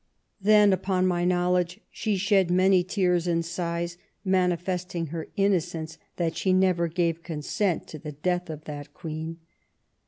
Then, upon my knowledge, she shed many tears and sighs, manifesting her innocence that she never gave consent to the death of that Queen.